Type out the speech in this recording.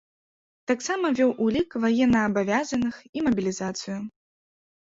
Таксама вёў улік ваеннаабавязаных і мабілізацыю.